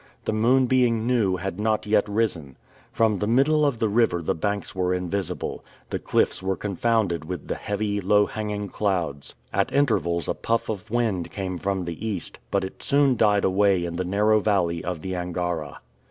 The moon being new had not yet risen. From the middle of the river the banks were invisible. The cliffs were confounded with the heavy, low hanging clouds. At intervals a puff of wind came from the east, but it soon died away in the narrow valley of the Angara.